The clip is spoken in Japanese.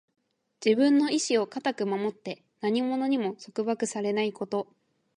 自分の意志を固く守って、何者にも束縛されないこと。